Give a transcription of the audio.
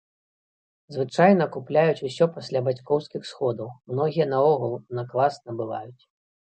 Звычайна купляюць усё пасля бацькоўскіх сходаў, многія наогул на клас набываюць.